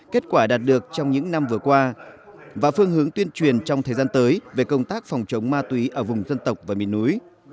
kết quả đạt được trong những năm vừa qua và phương hướng tuyên truyền trong thời gian tới về công tác phòng chống ma túy ở vùng dân tộc và miền núi